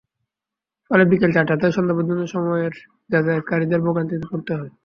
ফলে বিকেল চারটা থেকে সন্ধ্যা পর্যন্ত সময়ে যাতায়াতকারীদের ভোগান্তিতে পড়তে হয়।